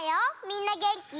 みんなげんき？